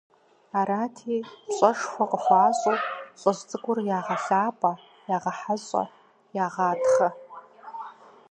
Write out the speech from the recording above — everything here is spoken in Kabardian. Арати, пщӀэшхуэ къыхуащӀу, лӀыжь цӀыкӀур ягъэлъапӀэ, ягъэхьэщӀэ, ягъатхъэ.